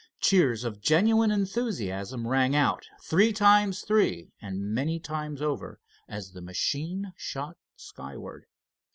Cheers of genuine enthusiasm rang out, three times three and many times over, as the machine shot skyward.